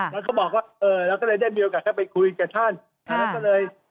แล้วก็ถามแต่ละคนแล้วก็ฟังจากที่กระทรวงต่าง